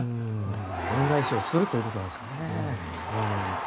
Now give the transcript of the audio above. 恩返しをするということですね。